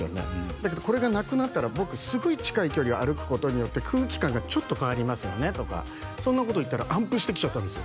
だけどこれがなくなったら僕すごい近い距離を歩くことによって空気感がちょっと変わりますよねとかそんなことを言ったら暗譜してきちゃったんですよ